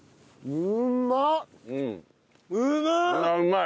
うまい！